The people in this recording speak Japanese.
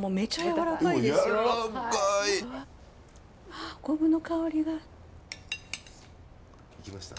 あっお昆布の香りが。いきました？